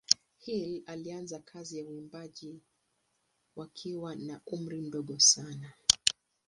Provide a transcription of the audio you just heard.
Hill alianza kazi za uimbaji wakiwa na umri mdogo sana.